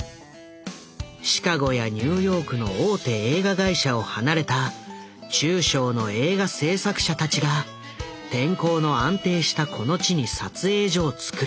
シカゴやニューヨークの大手映画会社を離れた中小の映画製作者たちが天候の安定したこの地に撮影所を造り